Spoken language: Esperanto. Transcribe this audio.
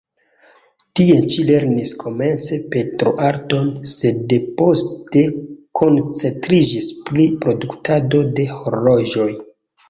Tie ĉi lernis komence pentroarton, sed poste koncentriĝis pri produktado de horloĝoj.